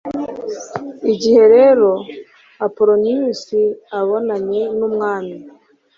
igihe rero apoloniyusi abonanye n'umwami